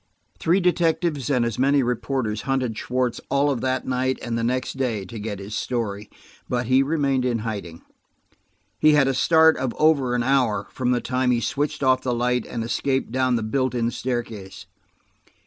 Three detectives and as many reporters hunted Schwartz all of that night and the next day, to get his story. But he remained in hiding. He had a start of over an hour; from the time he switched off the light and escaped down the built in staircase.